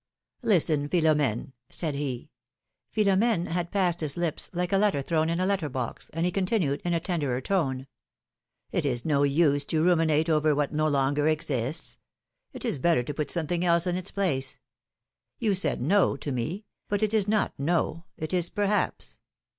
Listen, Philom^ne,^^ said he — Philom^ne had passed his lips like a letter thrown in a letter box, and he con tinued, in a tenderer tone : It is no use to ruminate over what no longer exists — it is better to put something else in its place; you said no to me, but it is not no — it is perhaps.